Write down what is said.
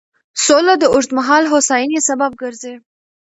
سوله د اوږدمهاله هوساینې سبب ګرځي.